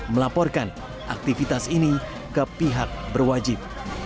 melaporkan aktivitas ini ke pihak berwajib